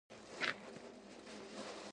د سپوږمۍ رڼا لیدل زړونه نرموي